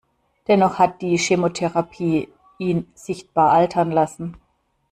Dennoch hat die Chemotherapie ihn sichtbar altern lassen.